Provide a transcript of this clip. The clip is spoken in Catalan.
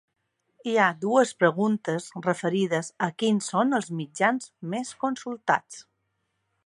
Hi ha dues preguntes referides a quins són els mitjans més consultats.